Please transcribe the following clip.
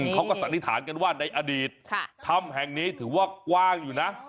สันนิษฐานกันว่าในอดีตถ้ำแห่งนี้ถือว่ากว้างอยู่นะ